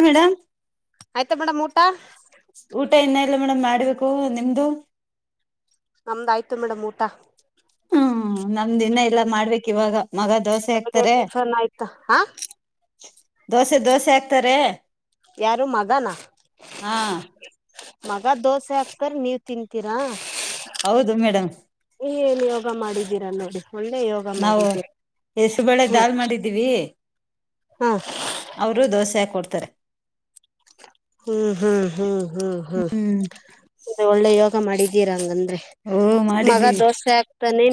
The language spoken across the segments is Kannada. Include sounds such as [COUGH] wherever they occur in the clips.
[UNINTELLIGIBLE] ಆಯ್ತಾ ಮೇಡಮ್ ಊಟ ಊಟ ಇನ್ನ ಇಲ್ಲ ಮೇಡಮ್ ಮಾಡ್ಬೇಕು ಹೂ ನಿಮ್ದು ನಮ್ದು ಆಯ್ತು ಮೇಡಂ ಊಟ ಹು ಹೂ ನಂದ್ ಇನ್ನ ಇಲ್ಲ ಮಾಡ್ಬೇಕ್ ಇವಾಗ ಮಗ ದೋಸ್ ಬೆಳಗ್ಗೆ ಹಾಕ್ತರೆ ಟಿಫನ್ ಆಯ್ತು ಹಾ ದೋಸೆ ದೋಸೆ ಅಕ್ತಾರೆ ಯಾರು ಮಗನ? ಮಗ ದೋಸೆ ಹಾಕ್ತಾರೆ, ನೀವ್ ತಿಂತೀರಾ? ಹೌದು ಮೇಡಮ್ ನೀವೇನ್ ಯೋಗ ಮಾಡಿದ್ದೀರಾ ನೋಡಿ ಒಳ್ಳೆ ಯೋಗ ನಾವು ಮಾಡಿದ್ದೀರಾ ಹೆಸುರ್ಬೇಳೆ ಧಾಲ್ ಮಾಡಿದೀವಿ ಆಹ್ ಅವ್ರು ದೋಸೆ ಹಾಕ್ಕೊಡ್ತಾರೆ ಹು ಹು ಹು ಹ್ಮ್ ಒಳ್ಳೆ ಯೋಗ ಮಾಡಿದಿ [UNINTELLIGIBLE] ಓ ಮಗ ಮಾಡಿದ್ದೀವಿ ದೋಸೆ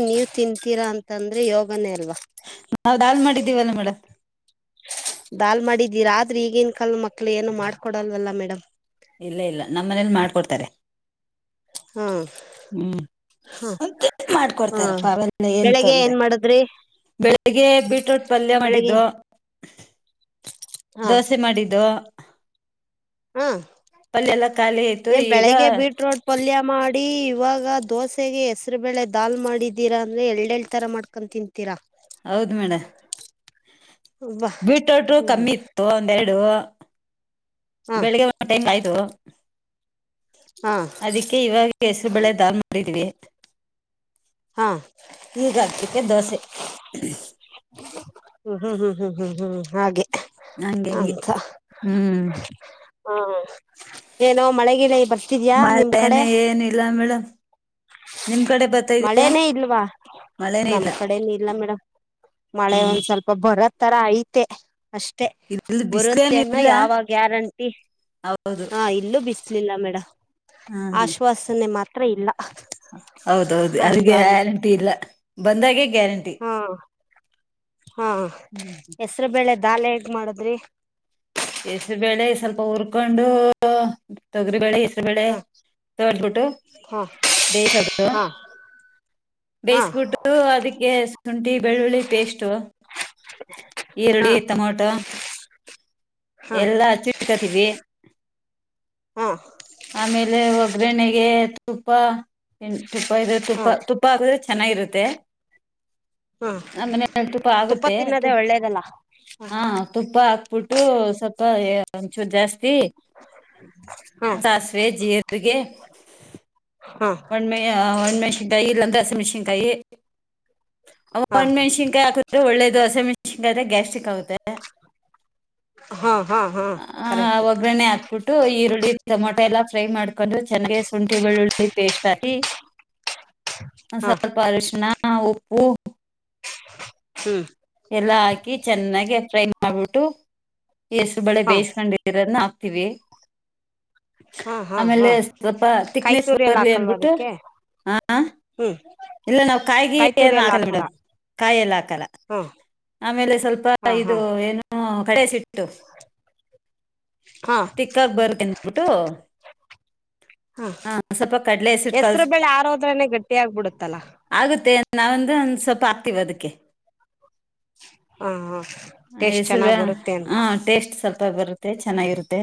ನೀವ್ ತಿಂತೀರಾ ಅಂತಂದ್ರೆ ಯೋಗನೆ ಅಲ್ವಾ ನಾವ್ ದಾಲ್ ಮಾಡಿದೀವಿ ಅನ್ಬಿಡು ದಾಲ್ ಮಾಡಿದಿರಾ ಆದ್ರೆ ಈಗಿನ್ ಕಾಲ್ದ ಮಕ್ಳು ಏನು ಮಾಡ್ಕೊಳಲ್ವಲ್ಲ ಮೇಡಂ ಇಲ್ಲ ಇಲ್ಲ ನಮ್ ಮನೇಲ್ ಮಾಡ್ಕೊಡ್ತಾರೆ ಹಾ ಹೂ ಹಾ ಮಾಡಿ ಹಾ ಕೊಡ್ತಾರೆ ಪರ್ವಾಗಿಲ್ಲ ಏನು ಬೆಳಿಗ್ಗೆ ತೊಂದ್ರೆ ಏನ್ ಇಲ್ಲ ಮಾಡಿದ್ರಿ ಬೆಳಿಗ್ಗೆ ಬೀಟ್ರೂಟ್ ಪಲ್ಯ ಬೆಳಿಗ್ಗೆ ಮಾಡಿದ್ದೋ ಹಾ ದೋಸೆ ಮಾಡಿದ್ದೋ ಹಾ ಅಲ್ಲೆಲ್ಲ ಖಾಲಿ ಆಯ್ತು. ಏನ್ ಬೆಳಿಗ್ಗೆ ಬೀಟ್ರೋಟ್ ಪಲ್ಯ ಮಾಡಿ ಈವಾಗ ದೋಸೆ ಗೆ ಹೆಸರುಬೇಳೆ ದಾಲ್ ಮಾಡಿದಿರಾ ಎಂದರೆ ಏಳ್ಳ್ ತರ ಮಾಡ್ಕ ತಿಂತಿರಾ. ಹೌ ಮೇಲೆ. ಅಬ್ಬಾ ಬೀಗರ ಟು ಹ್ಮ್ ಕಮ್ಮಿ ಇತ್ತು ಎರಡು. ಹಾ ಬೆಳ್ಳಗೆ ಒಂದು ಟೈಮ್ ಅಯ್ತು. ಹಾ ಅದಕ್ಕೆ ಇವಾಗ ಹೆಸರುಬೇಳೆ ದಾಲ್ ಮಾಡಿದೀವಿ. ಹಾ ಈಗಾಗಬೇಕು ದೋಸೆ. ಸ್. ಹು ಹು. ಆಗಿ. ನಂಗೆ ಅಂಗೆ. ಹ್ ಮಳೆ ಗಿಳೆ. ಮಾಡೀನಿ ಏನೂ ಇಲ್ಲ ಮೇಡಂ. ಮಳೆನೇ ಇಲ್ವಾ ಮಳೆನೇ ನಮ್ ಇಲ್ಲ ಕಡೆ ಇಲ್ಲ ಮೇಡಂ ಮಳೆ ಹ್ಮ್ ಸ್ವಲ್ಪ ಬರೋ ತರ ಐತೆ. ಅಷ್ಟೇ ಇಲ್ಲಿ ಬರುತ್ತೆ ಅಂತ ಬಿಸ್ಲೇನಿಲ್ಲ ಯಾವ ಗ್ಯಾರೆಂಟಿ ಹೌದು ಆ ಇಲ್ಲೂ ಬಿಸ್ಲಿಲ್ಲ ಮೇಡಂ ಹ್ಮ್ ಹ್ಮ್ ಆಶುವಾಸನೆ ಮಾತ್ರ ಇಲ್ಲ. ಹೌದು ಹೌದು ಯಾರಿಗೂ ಹಂಗಾಗಿ ಗ್ಯಾರಂಟಿ ಇಲ್ಲ. ಬಂದಾಗೆ. ಗ್ಯಾರಂಟಿ. ಹ್ ಹ್ಮ್ ಹೆಸರುಬೇಳೆ. ಹಸುಬೆಳೆ ದಾಲ್ ಹೇಗ್ ಮಾಡಿದ್ರಿ. ಹಸಿರು ಬೇಳೆ ಸ್ವಲ್ಪ ಉರ್ಕೊಂಡು ತೊಗರಿ ಬೇಳೆ. ಅಚ್ಚು ಹ ಬಿಡೋರು ಬಿಟ್ಟು ಹಾ ಬೇಸದು. ಹಾ ಹಾ ಬೇಸ್ ಬಿಟ್ಟು ಅದಕ್ಕೆ. ತುಂಟಿ ಬೆಳ್ಳುಳ್ಳಿ ಪೇಸ್ಟು. ಹಾ ಈರುಳ್ಳಿ ಟಮೋಟೊ. ಹಾ ಎಲ್ಲಾ ಅಚ್ಚಿಟ್ಕೋತೀವಿ. ಹ್ ಆಮೇಲೆ ಒಗ್ಗರಣೆಗೆ ತುಪ್ಪ ಹ್. ತಪ್ಪೇದ್ರೆ ಹಾ ತುಪ್ಪ ತುಪ್ಪ. ಚೆನ್ನಾಗಿರುತ್ತೆ. ಹಾ ನಮ್ಮನೇಲಿ ತುಪ್ಪ ಆಗುತ್ತೆ ಆಮೇಲೆ ತಿನ್ನೋದೇ ಅದನ್ನು ಒಳ್ಳೇದಲ್ಲ ಯೂಸ್ ಮಾಡಬೇಕು. [UNINTELLIGIBLE] ಇತ್ತಪ್ಪ ಏನ್ಚೂರ್ ಜಾಸ್ತಿ ಹಾ ಸಾಸಿವೆ ಜೀರಿಗೆ ಹಾ ಒನ್ಮೆಯ ಒಣಮೆಣಸಿನಕಾಯಿ ಅತವಾ ಹಸಿ [UNINTELLIGIBLE] ಹಾ ಒಣಮೆಣಸಿನಕಾಯಿ ಆಕಿದ್ರೆ ಒಳ್ಳೆ [UNINTELLIGIBLE] ಮೆಣಸಿನಕಾಯಿಆದ್ರೆ ಗ್ಯಾಸ್ಟಿಕ್ ಆಗುತ್ತೆ ಹ ಹ ಒಗ್ರನ್ನೇ ಆಕ್ಬಿಟ್ಟು ಈರುಳ್ಳಿ ಟೊಮೆಟೊ ಎಲ್ಲಾ ಫ್ರೈ ಮಾಡ್ [UNINTELLIGIBLE] ಸೊಂಟಿ ಬೆಳ್ಳುಳ್ಳಿ ಪೇಸ್ಟ್ ಆಕ ಇನ ಹಾ ಸ್ವಲ್ಪ ಹರಿಶಿನ ಹ ಉಪ್ಪು ಹ್ಮ್ ಎಲ್ಲ ಹಾಕಿ ಚೆನ್ನಾಗಿ ಅದ್ ಫ್ರೈ ಮಾಡ್ಬಿಟ್ಟು ಹೆಸ್ರೇಬೇಳೆ ಹಾ ಬಿಯ್ಸ್ಕೊಡಿರದ್ನ [UNINTELLIGIBLE] ಹಾ ಹಾ ಹಾ ಆಮೇಲೆ ಸ್ವಲ್ಪ ಕಾಯಿ ತಿಕ್ನೆಸ್ಸ್ ತುರಿ ಎಲ್ಲ [UNINTELLIGIBLE] ಹಾಕಲ್ವಾ ಬಿಟ್ಟು ಅದಕ್ಕೆ ಹಾ ಹ್ಮ್ ಇಲ್ಲ ನಾವ್ ಕಾಯಿಗೆ ಕಾಯಿ ತುರಿ ಎಲ್ಲಾ ಎಲ್ಲ ಅಕಲ್ಲ ಬಿಡು ಹಾಕಲ್ಲ ಕಾಯಿ ಎಲ್ಲಾ ಅಕಲ್ಲ ಹಾ ಆಮೇಲೆ ಸ್ವಲ್ಪ ಹಾ ಇದು ಹಾ ಏನೊ [UNINTELLIGIBLE] [INAUDIBLE] ಹಾ [UNINTELLIGIBLE] ಹಾ ಹ ಸ್ವಲ್ಪ ಕಡ್ಲೆ ಹೆಸರು ಬೇಳೆ [UNINTELLIGIBLE] ಆರೋದ್ರನೆ ಗಟ್ಟಿ ಆಗ್ಬಿಡುತ್ತಲ್ಲ ಆಗುತ್ತೆ ನವೆಂದು ಒಂದ್ ಸ್ವಲ್ಪ ಆಕ್ತಿವಿ ಅದ್. ಕೆ ಹಾ ಹಾ [UNINTELLIGIBLE] ಟೇಸ್ಟ್ ಚೆನ್ನಾಗ್ ಬರುತ್ತೆ ಅಂತ ಹ ಟೇಸ್ಟ್ [UNINTELLIGIBLE] ಬರುತ್ತೆ ಚೆನ್ನಾಗಿರುತ್ತೆ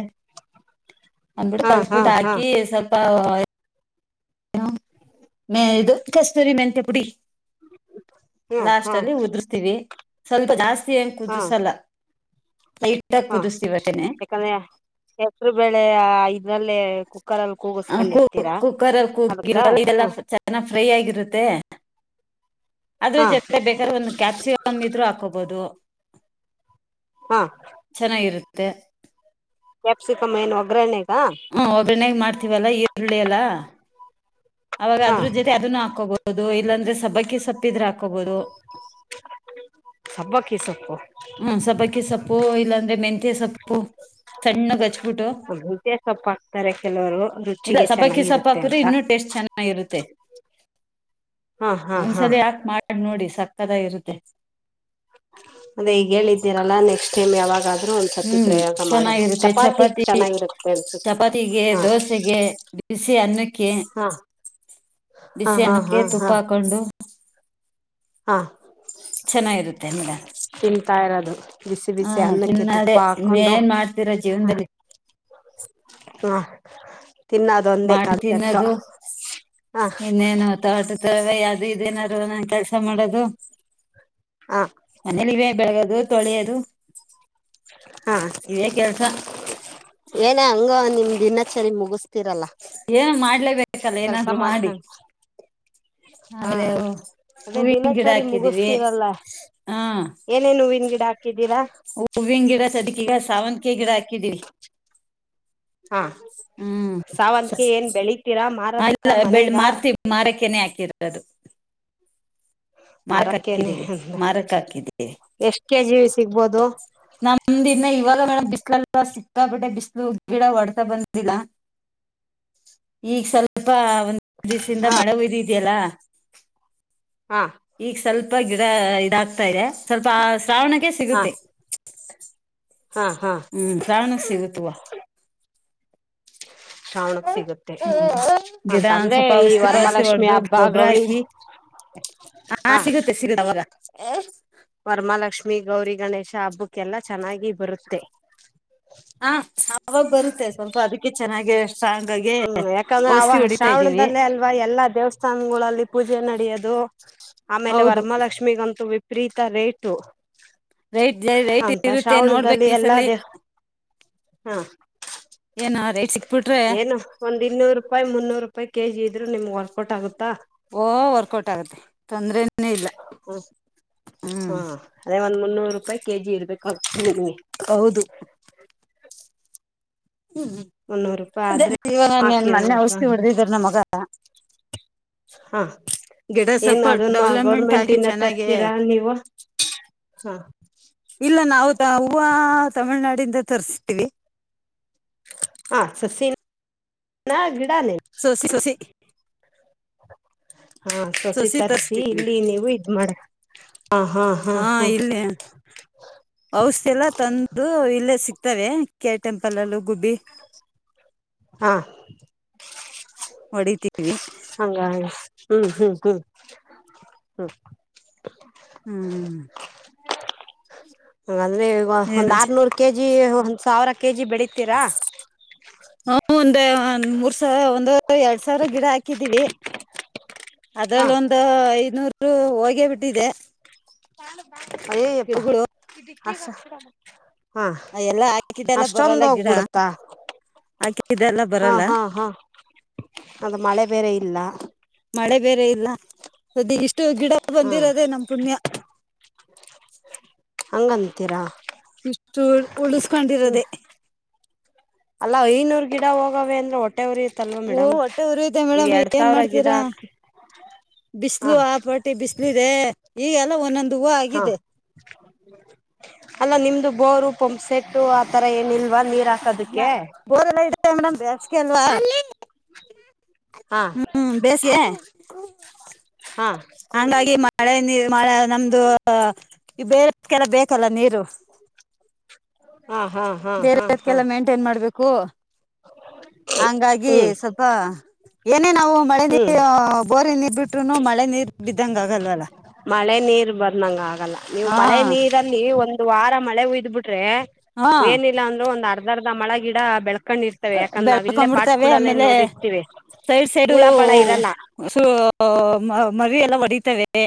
ಹಾ ಹಾ [UNINTELLIGIBLE] ಹಾ ಆಕಿ ಸ್ವಲ್ಪ [INAUDIBLE] [UNINTELLIGIBLE] ಕೆಸ್ತೂರಿ ಮೆಂತ್ಯ ಪುಡಿ ಹ್ಮ್ ಲಾಸ್ಟ ಹಾ ಅಲ್ಲಿ ಉದ್ರುಸ್ತಿವಿ ಸ್ವಪ್ಪ ಜಾಸ್ಸ ಸ್ತೀ ಕುದುಸಲ ಹ ಯಾಕೇದ್ರೆ ಹೇಳ್ಸಿರುಬೇಳೆಯ ಇದ್ರಲ್ಲೆ ಹ ಕುಕ್ಕರ್ ಅಲ್ ಅದಕ್ಕ ಕೂಗಿರ್ ಹ ಇದೆಲ್ಲ ಚೆನಾಗ್ ಫ್ರೈ ಆಗಿರುತ್ತೆ ಅದು ಹಾ ಜೊತೆ ಬೇಕಾದ್ರೆ ಒಂದ್ ಕ್ಯಾಪ್ಸಿಕಂ ಇದ್ರೂ ಆಕೋಬೋದು ಹಾ ಚೆನಾಗಿರ್. ಮತ್ತೆ ಕ್ಯಾಪ್ಸಿಕಮ್ ಏನ್ ಒಗ್ರನೆ ಹದಿನೈದು ಮಾಡ್ತಿವಲ್ಲ ಹೇಳಿಲ. ಅವ್ರು ಹಾ ಅದರ ಜೊತೆ ಅದನ್ನು ಹಾಕೋಬಹುದು ಇಲ್ಲಾಂದ್ರೆ ಸೋಬ್ಬಕ್ಕಿ ಸೊಪ್ಪು ಇದ್ರೆ ಹಾಕೊಬಹುದು. ಕ್ಕೆ ಸೊಪ್ಪು. ಸೊಬ್ಬಕ್ಕಿ ಸೊಪ್ಪು ಇಲ್ಲಾಂದ್ರೆ ಮೆಂತ್. ಸೊಪ್ಪು ಕಣ್ಣಿಗೆ ಹಚ್ಕೋ. ಸೊಪ್ಪು ಹಾಕ್ತಾರೆ ಸೋಲೋ ಇಲ ಸೊ ಸೊಪ್ಪು ಹಾಕಿದ್ರೆ ಇನ್ನೂ ಟೇಸ್ಟ್ ಚೆನ್ನಾಗಿರುತ್ತೆ. ಹಾ ಹಾ ಒಂದು ಹಾ ಸರಿ ಹಾಕಿ ಮಾಡಿನೋಡಿ ಸಕ್ಕತ್ ಆಗಿ ಇರುತ್ತೆ ಲೀಗಲ್ ಇದಿರಲ್ಲ ಎಷ್ಟ್ ಆದ್ರೂ ಹ್ಮ್ಮ್ ಚನಾಗಿರುತ್ತೆ ಚಪಾತಿ ಚೆನ್ನಾಗಿರುತ್ತೆ ಅನ್ಸುತ್ತೆ ಚಪಾತಿಗೆ ಹಾ ದೋಸೆಗೆ ದೋಸೆ ಅನ್ನಕ್ಕೆ ಹಾ ಬಿಸಿ ಹಾ ಹಾ ಅನ್ನಕ್ಕೆ ಹಾ ತುಪ್ಪ ಹಾಕೊಂಡು. ಆ ಚೆನಾಗಿರುತೆ ಆಮೇಲೆ ತಿಂತಾ ಇರೋದು ಬಿಸಿ ಬಿಸಿ ಹ್ಮ ಅನ್ನಕ್ಕೆ ತೀಂದ್ಮೇಲೆ ತುಪ್ಪ ಹಾಕೊಂಡು ಎನ್ ಮಾಡ್ತೀರಾ ಜೀವನದಲ್ಲಿ ಹೂ ಮಾಡಿ ತಿನ್ನೋದು ಹ ಇನ್ನೇನೂ ತಾಟ್ ತೊಳೆದು. ಏನಾರ ಒಂದು ಕೆಲ್ಸ ಮಾಡೋದು ಹ ಎಲ್ಲಾ ಇದೆ ಬೆಳ್ಗೋದು ತೋಳಿಯೋದು ಆ ಕೆಲ್ಸ ಏನೋ ಅಂಗೆ ಒಂದಿನ ಸೇರಿ ಮುಗಿಸ್ತಿರಲ್ಲ. ಏನೂ ಮಾಡಲೇ ಏನಾದ್ರೂ ಮಾಡಿ ಹಾ ಆಮೇಲೆ ಅದೇ ಹೂವಿನ ಗಿಡ ದಿನಚರಿ ಹಾಕಿದೀವಿ. ಮುಗಿಸ್ತೀರಲ್ಲ [UNINTELLIGIBLE] ಹೂವಿನ ಗಿಡ ಸಾವಂತಿಕೆ ಗಿಡ ಹಾಕಿದಿವಿ ಹಾ ಹ್ಮ್ಮ್ ಸಾವಂತಿಗೆ ಏನ್ ಬೆಳಿತೀರಾ ಮಾರದಕ್ಕ ಮನೆಗ ಮಾರಕ್ಕೆ ಹಾಕಿದ್ದಿವಿ. ಇರಬಹುದು. ಮಾರಕೇನೆ ಮಾರಕ್ ಹಾಕಿದೀವಿ ಎಷ್ಟು ಕೆಜಿ ಸಿಗಬಹುದು. ನಮ್ದಿನ್ನ ಸಿಕ್ಕಾಪಟ್ಟೆ ಬಿಸಿಲು ಗಿಡ ಒಡ್ಕ ಬಂದಿಲ್ಲ ಈಗ ಸ್ವಲ್ಪ ದಿನದಿಂದ ಹ ಮಳೆ ಉಯ್ದಿದೆಯಲ್ಲ. ಹಾ ಈಗ ಸ್ವಲ್ಪ ಗಿಡ ಇದಾಗ್ತಾ ಇದೆ ಸ್ವಲ್ಪ ಶ್ರಾವಣಕ್ಕೆ ಹಾ ಸಿಗುತ್ತೆ ಹಾ ಹಾ [INAUDIBLE] ಶ್ರಾವಣಕ್ ಸಿಗುತ್ತೆ [INAUDIBLE] ಅಂತಂದ್ರೆ ಈ ವರಮಹಾಲಕ್ಷ್ಮಿ ಹಬ್ಬ ಗೊಬ್ಬರ ಗೌರಿ ಹಾಕಿ ಹಾ ಹ ಸಿಗುತ್ತೆ ಸಿಗುತ್ತೆ ಅವಾಗ [INAUDIBLE] ವರಮಹಾಲಕ್ಷ್ಮಿ ಗೌರಿ ಗಣೇಶ ಹಬ್ಬಕ್ಕ ಎಲ್ಲಾ ಚೆನ್ನಾಗಿ ಬರುತ್ತೆ ಹಾ ಬರುತ್ತೆ ಸ್ವಲ್ಪ ಅದಕ್ಕೆ ಚೆನ್ನಾಗಿ ಸ್ಟ್ರಾಂಗ್ ಆಗಿ ಹು ಯಾಕ ಅಂದೆ ಅವ ಔಷಧಿ ಹೊಡಿತಾ ಇದ್ದೀವಿ ಶ್ರಾವಣದಲ್ಲೆ ಅಲ್ವಾ ಎಲ್ಲಾ ದೇವಸ್ಥಾನಗಳಲ್ಲಿ ಪೂಜೆಗಳ ನಡೆಯದು ಆಮೇಲೆ ಹೌದು ವರಮಹಾಲಕ್ಷ್ಮಿಗಂತು ರಿತಾ ರೇಟು ಅಂತ [UNINTELLIGIBLE] ನೋಡಬೇಕು ಶ್ರಾವಣದಲ್ಲಿ ಈ ಸಲಿ ಹ ಏನ ರೈಟ್ ಸಿಕ್ಬಿಟ್ರೆ ಏನು ಒಂದು ಇನ್ನೂರು ರೂಪಾಯಿ ಮುನ್ನೂರು ರುಪಾಯಿ ಕೆ ಇದಿದ್ರಾ ವರ್ಕೋಟು ಆಗುತ್ತಾ ಓಹೋ ಓಹೋ ವರ್ಕೌಟ್ ಆಗುತ್ತೆ ಹು ಹ ಹ್ಮ್ ಅದೇ ಒಂದ ಮುನ್ನೂರು [INAUDIBLE] ಹಾ ಹೌದು ಹೂ ಮುನ್ನೂರು ರೂಪಾಯಿ ಅದ ಆದ್ರೆ ಮೊನ್ನೆ ಹಾಕಿರೋದು ಔಷಧಿ ಹೊಡೆದಿದ್ದರು ನನ್ನ ಮಗ ಹ ಹ ಏನು ಅದನ್ನು ಡೆವಲಪ್ಮೆಂಟ್ ಆಗಿ ಗೋರ್ಮೆಂಟ್ನಿಂದ ಚೆನ್ನಾಗೆ ತರ್ತೀರಾ ನೀವು ಇಲ್ಲ ನಾವು ಹೂವ ತಮಿಳುನಾಡಿಂದ ತರಿಸ್ತೀವಿ ಹ ಸಸೀ ನ [INAUDIBLE] ಹಾ [INAUDIBLE] ಸಸಿ ರವೆ ತರ್ಸಿ ಇಲ್ಲಿ ನೀವು ಇದ್ ಮಾಡ ಹಾ ಹಾ ಹಾ ಕೆ ಟೆಂಪಲಲ್ಲಿ ಗುಬ್ಬಿ ಹ ಹೊಡಿತೀವಿ ಹು ಹೂ ಹೂ ಹೂ ಹೂ ಹೂ ಹೂ ವೆ ಅವ ಏನ್ ಒಂದ ಆರುನೂರು ಕೆಜಿ ಏ ಅವ ಒಂದ ಸಾವಿರ ಹಕ ಜಿ ಕೆಜಿ ಬೆಳಿತೀರಾ ಹು ಒಂದ ಮೂರುಸಾವಿರ ಒಂದುವರಿ ಎರಡವರಿ ಸಾವಿರ ಗಿಡ ಹಾಕಿದೀವಿ ಹಾ ಅದರಲ್ ಒಂದ ಐದನೂರು ಹು ಹೋಗಿಬಿಟ್ಟಿದೆ ಅಯ್ಯೋಯೋ ಅಕ್ಕಾ ಹಸ್ ಹ್ಮ್ ಎಲ್ಲಾ ಹಾಕಿದ್ದೆಲ್ಲ ಅಷ್ಟೊಂದ ಬರಲ್ಲ ಗಿಡ ಬಿಡುತ್ತಾ ಹಾಕಿದ್ದೆಲ್ಲ ಹ್ ಬರಲ್ಲ ಹ್ ಹ್ ಹೌದು ಮಳೆ ಬೇರೆ ಇಲ್ಲಾ ಮಳೆ ಬೇರೆ ಇಲ್ಲಾ ಇದು ಇಸ್ಟ ಗಿಡಾ ಹಾ ಬಂದಿರೋದು ನಮ್ ಪುಣ್ಯಾ ಓಹ್ ಅಂತೀರಾ ಇಷ್ಟು ಉಳಸ್ಕೊಂಡಿರೊದೇ--. ಅಲ್ಲಾ ಐನೂರು ಗಿಡಾ ಹೋಗ್ಯಾವೆ ಅಂದೇ ಓಹ್ ಹೊಟ್ಟೆ ಉರಿಯುತ್ತೆ ಮೇಡಂ ಎರಡ್ ಏನ್ ಸಾವಿರ ಗಿಡ ಮಾಡ್ತೀರಾ ಹಾಕಿ ಬಿಸ್ಲು ಹಾ ಆ ಪಾಟಿ ಬಿಸ್ಲು ಇದೆ ಏ ಎಲ್ಲಾ ಒಂದ್ ಒಂದ್ ಹೂವಾ ಹಾ ಆಗಿದೆ ಅಲ್ಲ ನಿಮ್ದು ಬೋರು ಪಮ್ ಸೆಟ್ಟು ಆ ತರಾ ಏನೂ ಇಲ್. [UNINTELLIGIBLE] [UNINTELLIGIBLE] ಹಾ ಹ್ಮ್ ಬೇಸ್ಗೆ ಹ್ಮ್ ಹಾ ಹಂಗಾಗಿ ಮಳೆ ನೀರ್ ನಮ್ದು ಬೆರೆಡ್ಕ್ ಎಲ್ಲಾ ಬೇಕ ಲಾ ನೀರು ಹಾ ಹಾ ಹಾ ಹಾ ಬೇರೆವ್ಧಕ್ ಹಾ ಎಲ್ಲಾ ಮೆಂಟೇನ್ ಮಾಡಬೇಕು ಓಹ್ ಹಂಗಾಗಿ ಹ್ಮ್ ಸ್ವಲ್ಪಾ [INAUDIBLE] ಏನೇ ನಾವು ಮಳೆ ಹ್ಮ್ ನೀರು ಬೋರಿನ ನೀರ್ ಬಿಟ್ರೂ ಮಳೆ ನೀರ್ ಬಿದಂಗ ಆಗಲ್ಲ ಅಲ್ವಾ ಮಳೆ ನೀರ್ ಬಂದಂಗ ಆಗಲ್ಲ ನೀವು ಹ್ ಮಳೆ ಗೆ ಏನಿಲ್ಲಾ ಅಂದ್ರು ಒಂದ್. [UNINTELLIGIBLE] ಅರ್ಧಾ ಮಳೆ ಗಿಡಾ ಬೆಳೆ [UNINTELLIGIBLE] ಇರ್ತಾವೆ ಯಾಕ ಅಂದ್ರೆ ನಾವ್ ಇಲ್ಲೆ ಬೆಳ್ಕೊಂಡ್ಬಿಡ್ತವೆ [UNINTELLIGIBLE] ನೋಡಿರ್ತೀವಿ. ಓಹ್ ಹುಳ ಪಳ ಇರಲ್ಲ ಓಹ್ ಸೊ ಮ್ ಮರಿಯೆಲ್ಲ ಒಡಿತಾವೇ. ಏ.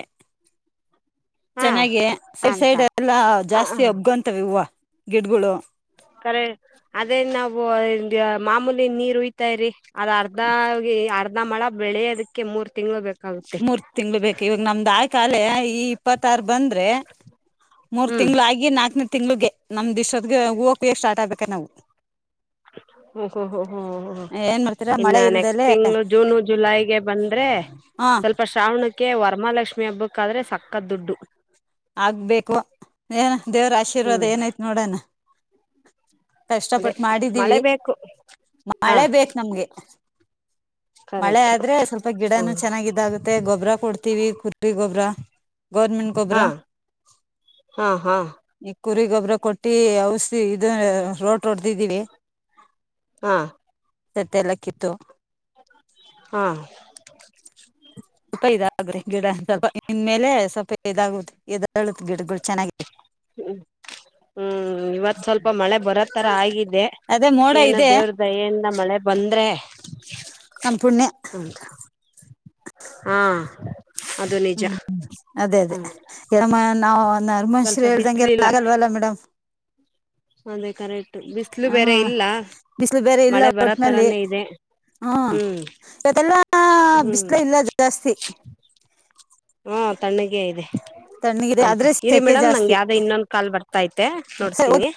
ಹಾ ಚೆನಾಗಿ ಸೈಡ್ ಅಂತ ಸೈಡ್ ಎಲ್ಲಾ ಹ ಜಾಸ್ತಿ ಹ ಹಬ್ಕೊಂತವೇ ಹೂವಾ ಗಿಡ್ಡಗುಳು ಕರೆ ಅದೇ ನಾವು ಹಿಂಗೆ ಮಾಮೂಲಿ ನೀರ್ ಊಯತಾ ಇರಿ ಅದ ಅರ್ಧಾ ಆಗೀ ಆರ್ ನಮ್ಮಳ ಬೆಳಿಯೋದಕ್ಕೆ ಮೂರು ತಿಂಗಳು ಬೇಕು ಮುರೂ ತಿಂಗಳ ಬೇಕ್ ಇವಾಗ್ ಆಯ್ತ್ ಆಲೆ ಈ ಇಪ್ಪತಾರ್ ಬಂದ್ರೆ ಮೂರು ಹ್ಮ್ ತಿಂಗಳ ಆಗಿ ನಾಕನೇ ತ್ ತಿಂಗಳುಗೆ ನಮ್ದ್ ಇಸ್ಟೊತ್ಗೆ ಓಪಿಯ್ ಸ್ಟಾಟ್ ಆಗ್ಬೇಕು ನಾವು. ಓ ಓ ಹ ಏನ್ ಮಾಡ್ತೀರಾ ಮಳೆ ನೆಕ್ಸ್ಟ್ ಇಲ್ದಲೆ ತಿಂಗಳು ಜೂನ್ ಜೂಲೈಗೆ ಬಂದ್ರೆ ಹಾ ಸ್ವಲ್ಪ [UNINTELLIGIBLE] ವರ್ಮಾಲ್ಷ್ಮಿ ಹಬ್ಬಕ್ ಆದ್ರೆ ಸಕ್ಕತ್ ದುಡ್ದು ಆಗ್ಬೇಕು ಏನೋ ದೇವರ ಆಶೀರ್ವಾದ ಹ್ಮ್ ಏನಾಯ್ತ್ ನೋಡೋಣ ಅದೇ ಕಷ್ಟಪಟ್ ಮಾಡಿದ್ದೀವಿ ಮಳೆ ಬೇಕು ಹಾ ಮಳೆ ಬೇಕ್ ನಮ್ಗೆ ಮಳೆ ಕರೆಕ್ಟ್ ಆದ್ರೆ ಸ್ವಲ್ಪ ಗಿಡನು ಹ್ಮ್ ಚೆನ್ನಾಗಿ ಇದು ಆಗುತ್ತೆ ಗೊಬ್ರ ಕೊಡ್ತೀವಿ ಕೊಟ್ರಿ ಗೊಬ್ರ ಗವರ್ನಮೆಂಟ್ [UNINTELLIGIBLE] ಹಾ ಗೊಬ್ರಾ ಹಾ ಹಾ ಕುರಿಗೊಬ್ರ ಕೊಟ್ಟಿ ಔಷದಿ ಇದೆ ರೋಡ್ ಹೊಡ್ದಿದ್ದೀನಿ ಹಾ ತತ್ತ [UNINTELLIGIBLE] ಎಲ್ಲಾ ಕಿತ್ತು ಹಾ [UNINTELLIGIBLE] ಸೊಪ್ಪ ಇದ ಆಗುತ್ತೆ ಇದ್ ಹಾ ಇವತ್ತು ಸ್ವಲ್ಪ ಮಳೆ ಬರೋ ತರ ಆಗಿದೆ ಅದೇ ಮೋಡ ಏನೋ ಇದೆ ದೇವರ ದಯೆಯಿಂದ ಮಳೆ [INAUDIBLE] ರೇ ನಮ್ ಪುಣ್ಯ [UNINTELLIGIBLE] ಹಾ ಅದು ನಿಜ ಅದೇ ಹ ಅದೇ ಏನಮ್ಮ [UNINTELLIGIBLE] [UNINTELLIGIBLE] ನರ್ಮನ್ಶರ ಸ್ವಲ್ಪ ಹೇಳ್ದಂಗೆನ್ ಬಿಸ್ಲಿಲ್ಲ ಆಗಲ್ವಲ್ಲ ಮೇಡಂ ಅದೇ ಕರೆಕ್ಟ್ ಬಿಸಿಲು ಹ ಹಾ ಬೇರೆ ಇಲ್ಲ ಬಿಸಿಲ್ ಬೇರೆ ಇಲ್ಲ ಮಳೆ ಬರೋ ಒಟ್ನಲ್ಲಿ ತರಾನೇ ಇದೆ ಆಹಾ ಹ್ಮ್ ಈಕಡೆ ಎಲ್ಲ ಹ್ಮ್ ಬಿಸ್ಲೆ ಇಲ್ಲ ಜಾಸ್ತಿ ಹಾ ತಣ್ಣಗೆ ಇದೆ ತಣ್ಣಗಿದೆ ಅಂತೆ ಆದ್ರೆ ಇರಿ ಸೆಕೆ ಮೇಡಂ, ನಂಗೆ ಜಾಸ್ತಿ. ಯಾವುದೋ ಇನ್ನೊಂದು ಕಾಲ್ ಬರ್ತಿದೆ ನೋಡ್ತೀನಿ